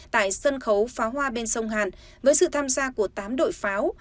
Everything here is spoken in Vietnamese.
tại sân khấu pháo hoa bên sông hàn với sự tham gia của tám đội pháo